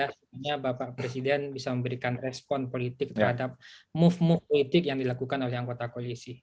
sebenarnya bapak presiden bisa memberikan respon politik terhadap move move politik yang dilakukan oleh anggota koalisi